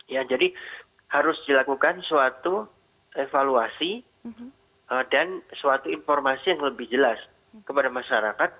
ya jadi harus dilakukan suatu evaluasi dan suatu informasi yang lebih jelas kepada masyarakat